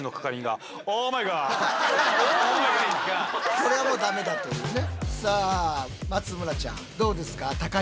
これはもうダメだというね。